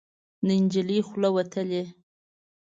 د نجلۍ خوله وتلې